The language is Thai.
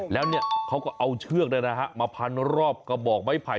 แล้วเขาก็เอาเชือกมาพันรอบกระบอกไม้ไผ่